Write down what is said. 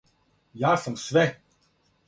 Ја сам све!